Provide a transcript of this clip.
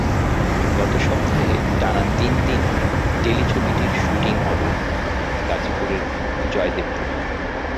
গত সপ্তাহে টানা তিন দিন টেলিছবিটির শুটিং হলো গাজীপুরের জয়দেবপুরে।